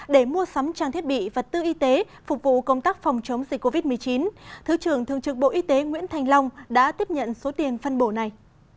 để mua sắm trang thiết bị vật tư y tế phục vụ công tác phòng chống dịch covid một mươi chín thứ trưởng thường trực bộ y tế nguyễn thành long đã tiếp nhận số tiền phân bổ này